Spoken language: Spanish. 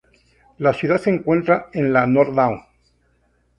La ciudad se encuentra en la "North Downs".